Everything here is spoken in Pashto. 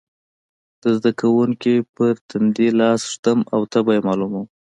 د زده کوونکي پر تندې لاس ږدم او تبه یې معلوموم.